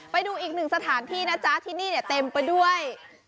ไปดูอีกหนึ่งสถานที่นะจ๊ะที่นี่เนี่ยเต็มไปด้วย